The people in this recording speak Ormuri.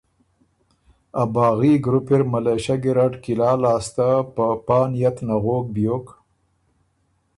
ا باغي ګروپ اِر ملېشۀ ګیرډ قلعه لاسته په پا نئت نغوک بیوک